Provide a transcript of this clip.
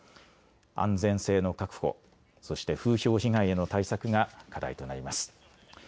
安全性の確保、そして風評被害への対策が課題となります。